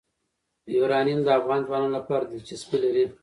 یورانیم د افغان ځوانانو لپاره دلچسپي لري.